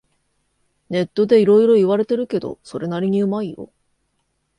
ネットでいろいろ言われてるけど、それなりにうまいよ